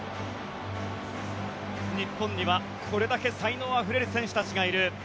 日本にはこれだけ才能あふれる選手たちがいる。